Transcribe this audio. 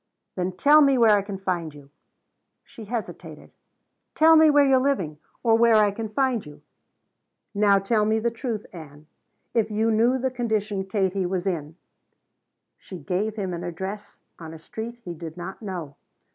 "Then tell me where I can find you." She hesitated. "Tell me where you're living or where I can find you. Now tell me the truth, Ann. If you knew the condition Katie was in " She gave him an address on a street he did not know.